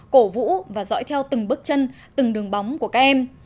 cổ vũ và dõi theo từng bước chân từng đường bóng của các em